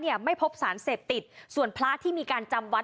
ไม่พบสารเสพติดส่วนพระที่มีการจำวัด